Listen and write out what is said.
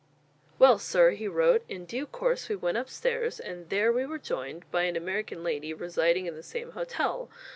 "Well, sir," he wrote, "in due course we went upstairs, and there we were joined by an American lady residing in the same hotel